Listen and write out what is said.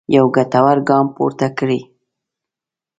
یو ګټور ګام پورته کړی.